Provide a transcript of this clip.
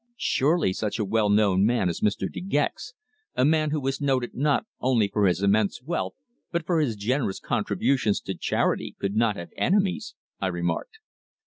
"Surely such a well known man as Mr. De Gex a man who is noted not only for his immense wealth, but for his generous contributions to charity could not have enemies?" I remarked.